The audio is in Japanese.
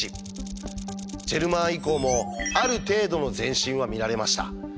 ジェルマン以降もある程度の前進は見られました。